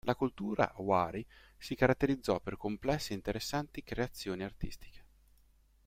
La cultura Wari si caratterizzò per complessi e interessanti creazioni artistiche.